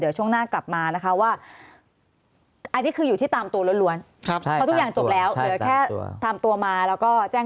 เดี๋ยวช่วงหน้ากลับมานะคะว่าอายุที่คืออยู่ที่ตามตัวเยอะแมน